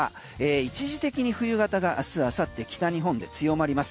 一時的に冬型が明日明後日、北日本で強まります。